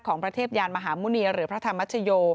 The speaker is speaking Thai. ของพระเทพยานมหาหมุเนียหรือพระธรรมชโย